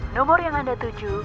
nomor yang anda tuju